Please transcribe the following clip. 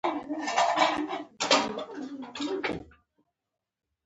خوله مه تاوې راو تاوې کوه.